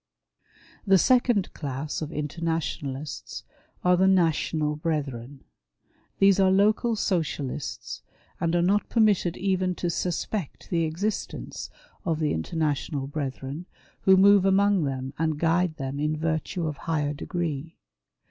The second class of Internationalists are the National Brethren. These are local socialists, and are not permitted even to suspect the existence of the International Brethren, who move among them and guide them in virtue of higher degree.